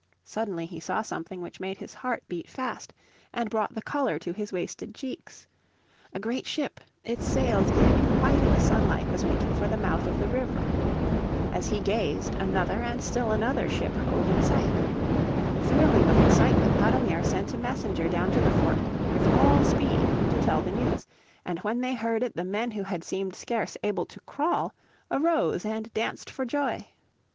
Suddenly he saw something which made his heart beat fast, and brought the colour to his wasted cheeks. A great ship, its sails gleaming white in the sunlight was making for the mouth of the river. As he gazed another and still another ship hove in sight. Thrilling with excitement Laudonnière sent a messenger down to the fort with all speed to tell the news, and when they heard it the men who had seemed scarce able to crawl arose and danced for joy.